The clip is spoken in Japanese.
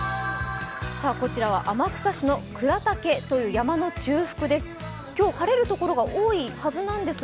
こちらは天草市の倉岳という山の中腹です。